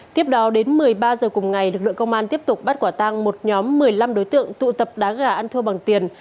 tiếp đó đến một mươi ba h cùng ngày lực lượng công an tiếp tục bắt quả tang một nhóm một mươi năm đối tượng tụ tập đá gà ăn thua bằng tiền